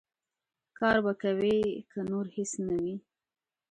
کار به کوې، که نور هېڅ نه وي.